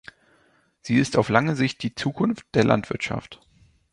Sie ist auf lange Sicht die Zukunft der Landwirtschaft.